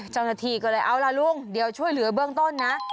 เจ้าหน้าที่ก็เลยเอาล่ะลุงเดี๋ยวช่วยเหลือเบื้องต้นนะ